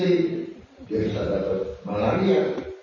yang bisa dapat malaria